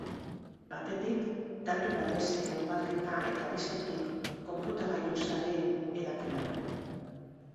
Batetik, datu baseen ugalketa eta bestetik konputagailu-sareen hedapena.